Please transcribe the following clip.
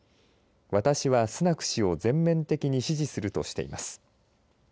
私はスナク氏を全面的に支持するとしています。